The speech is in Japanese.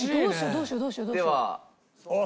どうしようどうしよう？